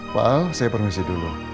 pak al saya permisi dulu